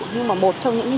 nhưng mà một trong những cái